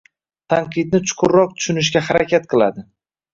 Tanqidni chuqurroq tushunishga harakat qiladi.